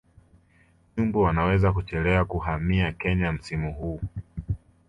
Nyumbu wanaweza kuchelewa kuhamia Kenya msimu huu